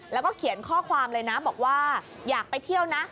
แล้วก็เขียนข้อความเลยนะบอกว่าอยากไปเที่ยวนะ